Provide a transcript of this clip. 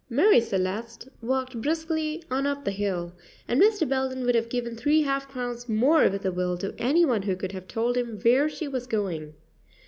Marie Celeste walked briskly on up the hill, and Mr. Belden would have given three half crowns more with a will to any one who could have told him where she was going.